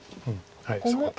そこと。